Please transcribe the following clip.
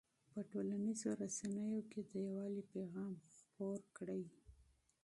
په ټولنیزو رسنیو کې د یووالي پیغام خپور کړئ.